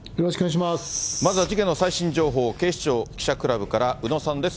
まずは事件の最新情報、警視庁記者クラブから宇野さんです。